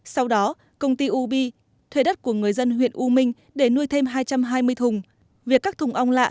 sau đó công ty ub thuê đất của người dân huyện u minh để nuôi thêm hai trăm hai mươi thùng